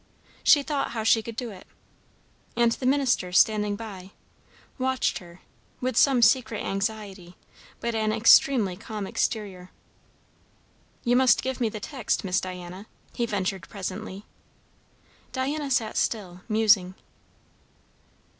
She thought how she could do it; and the minister, standing by, watched her, with some secret anxiety but an extremely calm exterior. "You must give me the text, Miss Diana," he ventured presently. Diana sat still, musing.